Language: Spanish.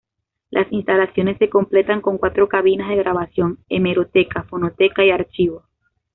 Las instalaciones se completan con cuatro cabinas de grabación, hemeroteca, fonoteca y archivo.